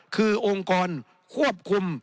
คือองค์กรควบคุม